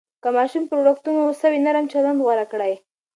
که ماشوم پر وړکتون غوصه وي، نرم چلند غوره کړئ.